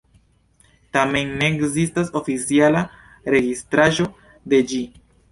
Tamen ne ekzistas oficiala registraĵo de ĝi.